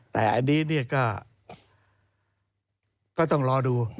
แต่อันนี้ก็ต้องรอดู